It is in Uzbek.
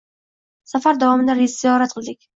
Safar davomida ziyorat qildik.